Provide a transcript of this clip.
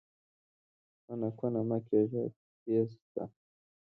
کونه کونه مه کېږه، تېز ځه!